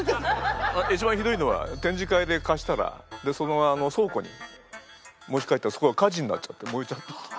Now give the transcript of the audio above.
一番ひどいのは展示会でかしたらでそのまま倉庫に持ち帰ったらそこが火事になっちゃってもえちゃったって。